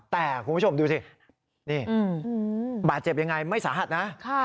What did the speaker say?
แต่คุณผู้ชมดูสินี่บาดเจ็บยังไงไม่สาหัสนะ